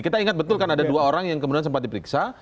kita ingat betul kan ada dua orang yang kemudian sempat diperiksa